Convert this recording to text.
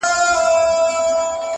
د نغري غاړو ته هواري دوې کمبلي زړې-